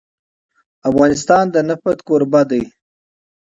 افغانستان د نفت کوربه دی.